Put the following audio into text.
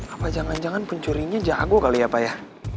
apa jangan jangan pencurinya jago kali ya pak ya